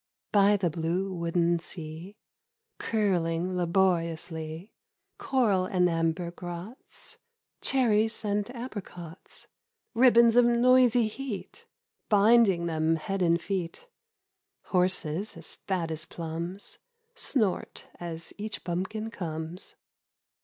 BY the blue wooden sea — Curling laboriously, Coral and amber grots (Cherries and apricots) Ribbons of noisy heat Binding them head and feet, Horses as fat as plums Snort as each bumpkin comes.